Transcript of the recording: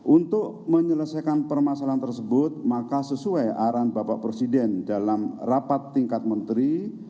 untuk menyelesaikan permasalahan tersebut maka sesuai arahan bapak presiden dalam rapat tingkat menteri